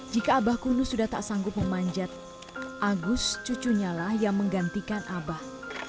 jika abah kuno sudah tak sanggup memanjat agus cucunya lah yang menggantikan abah